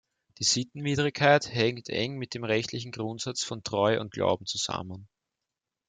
Die Sittenwidrigkeit hängt eng mit dem rechtlichen Grundsatz von Treu und Glauben zusammen.